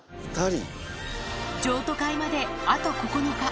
譲渡会まであと９日。